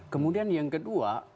kemudian yang kedua